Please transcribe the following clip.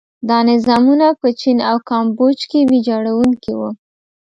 دا نظامونه په چین او کامبوج کې ویجاړوونکي وو.